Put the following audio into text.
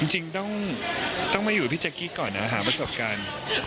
จริงต้องมาอยู่กับพี่แจ๊กกี้ก่อนนะหาประสบการณ์